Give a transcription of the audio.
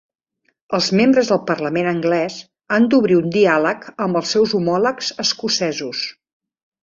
Els membres del Parlament anglès han d'obrir un diàleg amb els seus homòlegs escocesos.